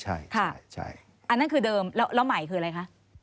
ใช่ค่ะอันนั้นคือเดิมแล้วใหม่คืออะไรคะ